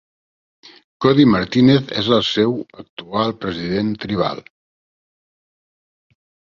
Cody Martinez és el seu actual president tribal.